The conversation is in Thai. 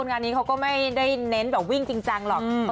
งานนี้เขาก็ไม่ได้เน้นแบบวิ่งจริงจังหรอก